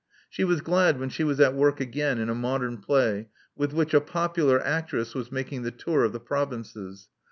She was glad when she was at work again in a modern play with which a popular actress was making the tour of the provinces.